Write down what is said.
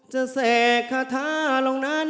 จะเสกคาทะลงมาครับ